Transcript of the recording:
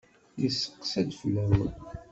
Yesseqsa-d fell-awen.